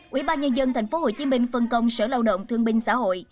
quỹ ba nhân dân tp hcm phân công sở lao động thương binh xã hội